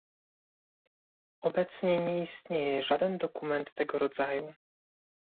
Obecnie nie istnieje żaden dokument tego rodzaju